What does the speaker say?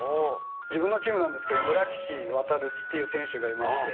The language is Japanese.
自分のチームなんですけど村岸航っていう選手がいまして。